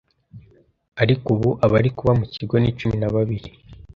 ariko ubu abari kuba mukigo ni cumi nababiri .